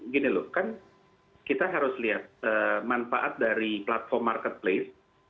gini loh kan kita harus lihat manfaat dari platform marketplace